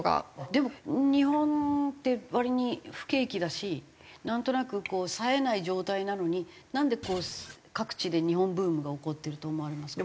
でも日本って割に不景気だしなんとなくこうさえない状態なのになんで各地で日本ブームが起こってると思われますか？